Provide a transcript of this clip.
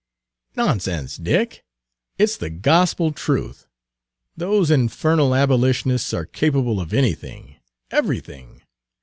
"Nonsense, Dick; it's the gospel truth! Those infernal abolitionists are capable of anything everything!